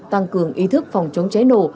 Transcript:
tăng cường ý thức phòng chống cháy nổ